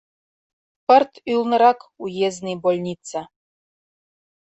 Пырт ӱлнырак — уездный больница.